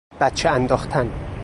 بچه انداختن